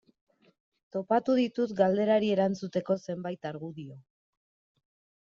Topatu ditut galderari erantzuteko zenbait argudio.